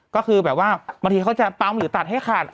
ก็คือแบบว่าบางทีเขาจะปั๊มหรือตัดให้ขาด